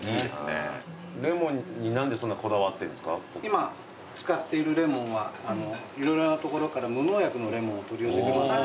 今使っているレモンは色々な所から無農薬のレモンを取り寄せて。